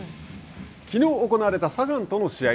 きのう行われたサガンとの試合。